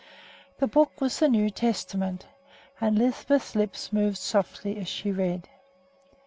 The book was the New Testament, and Lisbeth's lips moved softly as she read.